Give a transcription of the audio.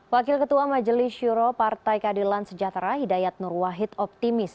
wakil ketua majelis syuro partai keadilan sejahtera hidayat nur wahid optimis